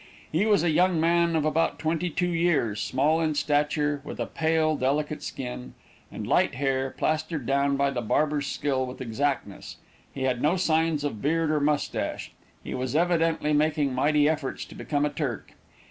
He was a young man of about twenty two years, small in stature, with a pale, delicate skin, and light hair, plastered down by the barber's skill with exactness. He had no signs of beard or moustache. He was evidently making mighty efforts to become a Turk.